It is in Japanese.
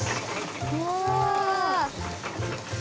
うわ！